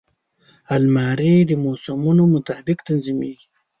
الماري د موسمونو مطابق تنظیمېږي